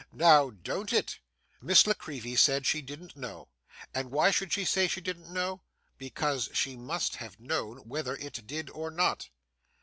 Now don't it?' Miss La Creevy said she didn't know. And why should she say she didn't know? Because she must have known whether it did or not.